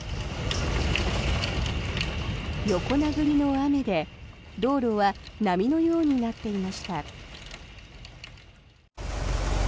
横殴りの雨で、道路は波のようになっていました。